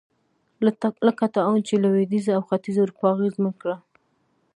لکه طاعون چې لوېدیځه او ختیځه اروپا اغېزمن کړه.